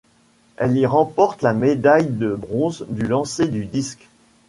Elle y remporte la médaille de bronze du lancer du disque.